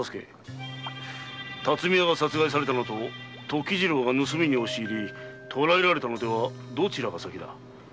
巽屋が殺害されたのと時次郎が盗みに押し入り捕らえられたのではどちらが先だ？